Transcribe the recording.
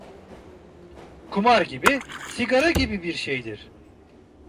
Kumar gibi, sigara gibi bir şeydir.